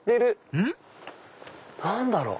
うん？何だろう？